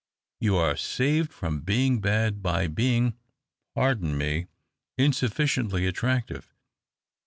You are saved from being bad by being — pardon me — insufficiently attractive.